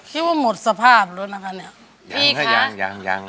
คิดว่าหมดสภาพแล้วนะคะเนี่ยยังยังยัง